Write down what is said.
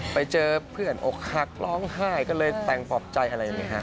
ไปเจอเพื่อนอกหักร้องไห้ก็เลยแต่งปลอบใจอะไรอย่างนี้ฮะ